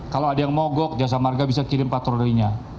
kalau ada yang mogok jasa marga bisa kirim patrolinya